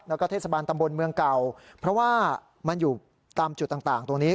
แล้วก็เทศบาลตำบลเมืองเก่าเพราะว่ามันอยู่ตามจุดต่างตรงนี้